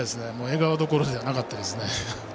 笑顔どころではなかったです。